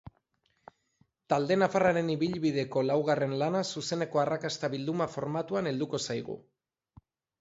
Talde nafarraren ibilbideko laugarren lana zuzeneko arrakasta bilduma formatuan helduko zaigu.